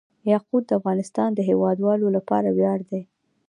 یاقوت د افغانستان د هیوادوالو لپاره ویاړ دی.